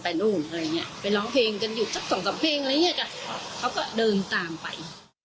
ไปนู่นไปร้องเพลงกันอยู่สองสามเพลงอะไรอย่างเงี้ยก็เขาก็เดินตามไป